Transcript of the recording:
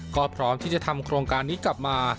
ก็พร้อมที่จะทำโครงการนี้กลับมา